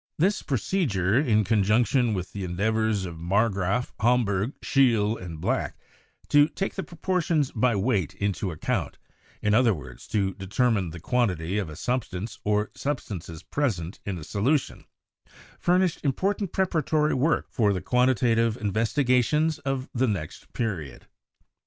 This procedure, in conjunction with the endeavors of Marggraf, Homberg, Scheele and Black, to take the proportions by weight into account — in other words, to determine the quantity of a substance or substances present in a solution — furnished important preparatory work for the quantitative investiga tions of the next period.